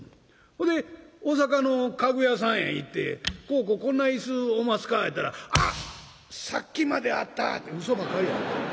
ほいで大阪の家具屋さんへ行って「こうこうこんな椅子おますか？」言うたら「あっ！さっきまであった」ってうそばっかり。